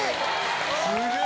すげえ！